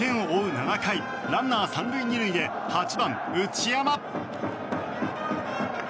７回ランナー３塁２塁で８番、内山。